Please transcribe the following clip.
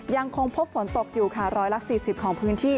ยังคงพบฝนตกอยู่ค่ะ๑๔๐ของพื้นที่